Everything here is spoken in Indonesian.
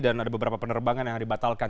dan ada beberapa penerbangan yang dibatalkan